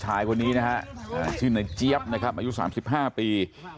เจ้าชาติจับกลุ่มตัวผู้ชายคนนี้นะครับชื่นในเจี๊ยบนะครับอายุสามสิบห้าปี